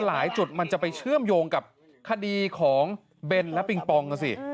หลายจุดมันจะไปเชื่อมโยงกับคดีของเบนและปิงปองอ่ะสิ